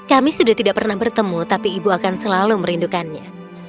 kami sudah tidak pernah bertemu tapi ibu akan selalu merindukannya